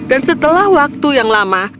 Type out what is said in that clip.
dan setelah waktu yang lama